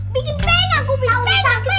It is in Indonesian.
bikin pengangku bikin pengang pengang